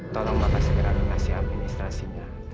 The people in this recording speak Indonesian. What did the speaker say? tolong bapak segera beri nasihat administrasinya